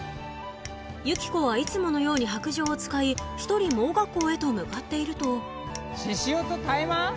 ユキコはいつものように白杖を使い１人盲学校へと向かっていると獅子王とタイマン？